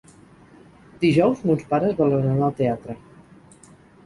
Dijous mons pares volen anar al teatre.